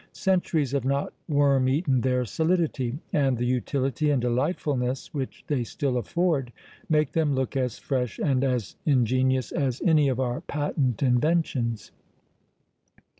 Centuries have not worm eaten their solidity! and the utility and delightfulness which they still afford make them look as fresh and as ingenious as any of our patent inventions.